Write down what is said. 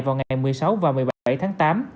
vào ngày một mươi sáu và một mươi bảy tháng tám